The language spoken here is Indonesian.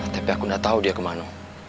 tapi aku nggak tahu dia kemana